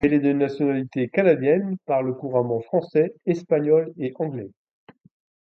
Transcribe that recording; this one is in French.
Elle est de nationalité canadienne, parle couramment français, espagnol et anglais.